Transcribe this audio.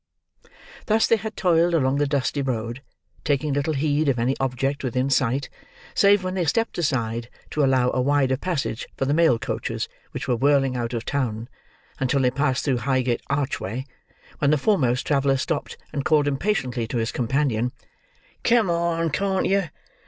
Thus, they had toiled along the dusty road, taking little heed of any object within sight, save when they stepped aside to allow a wider passage for the mail coaches which were whirling out of town, until they passed through Highgate archway; when the foremost traveller stopped and called impatiently to his companion, "Come on, can't yer?